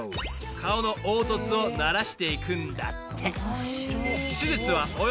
［顔の凹凸をならしていくんだって］